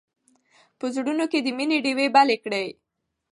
په زړونو کې د مینې ډېوې بلې کړئ.